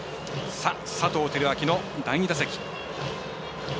佐藤輝明の第２打席。